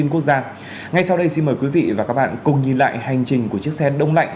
ngay sau đây xin mời quý vị và các bạn cùng nhìn lại hành trình của chiếc xe đông lạnh